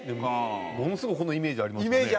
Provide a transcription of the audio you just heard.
ものすごいこのイメージありますよね。